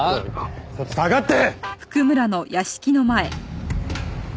ちょっと下がって！